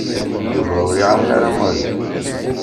Yuba ur iɛawen ara Mary.